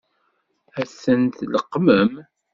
Ad ten-tleqqmem?